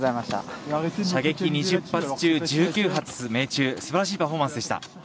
射撃２０発中１９発命中すばらしいパフォーマンスでした。